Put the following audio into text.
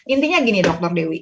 intinya gini dokter dewi